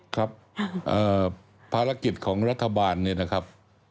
ครับภารกิจของรัฐบาลเนี่ยนะครับ